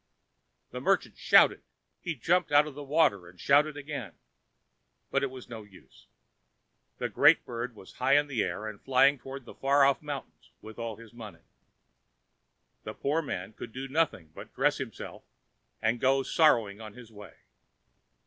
The merchant shouted. He jumped out of the water and shouted again. But it was no use. The great bird was high in the air and flying towards the far off mountains with all his money. The poor man could do nothing but dress himself and go sorrowing on his way.